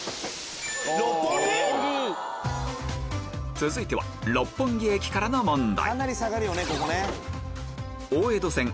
続いては六本木駅からの問題